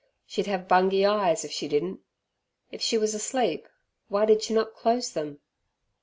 She'd have bungy eyes, if she didn't. If she was asleep, why did she not close them?